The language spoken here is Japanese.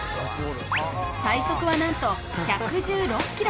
最速はなんと１１６キロ。